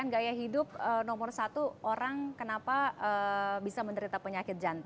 gaya hidup nomor satu orang kenapa bisa menderita penyakit jantung